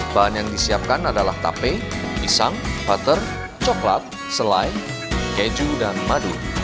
bahan yang disiapkan adalah tape pisang butter coklat selai keju dan madu